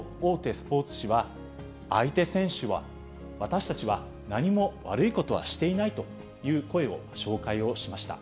スポーツ紙は、相手選手は、私たちは何も悪いことはしていないという声を紹介をしました。